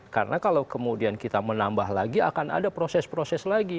karena kalau kemudian kita menambah lagi akan ada proses proses lagi